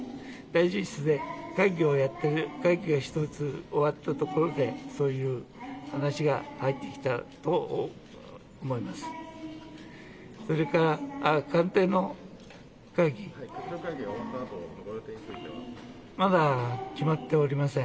大臣室で会議をやって会議が１つ終わったところでそういう話が入ってきたと思います。